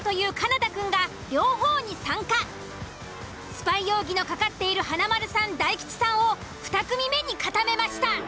スパイ容疑のかかっている華丸さん大吉さんを２組目に固めました。